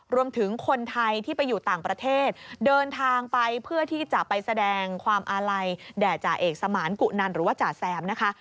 รวมถึงคนไทยที่ไปอยู่ต่างประเทศเดินทางไปเพื่อที่จะไปแสดงความอาลัยแด่จ่าเอกสมานกุนันหรือว่าจ่าแซมนะคะ